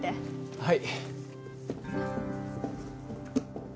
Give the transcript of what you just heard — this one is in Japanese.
はい。